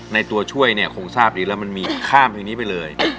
ตัวช่วยเนี่ยคงทราบดีแล้วมันมีข้ามเพลงนี้ไปเลย